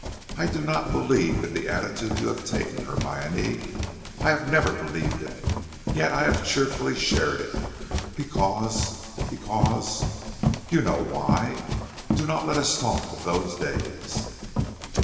I do not believe in the attitude you have taken, Hermione; I have never believed in it, yet I have cheerfully shared it because, because you know why; do not let us talk of those days."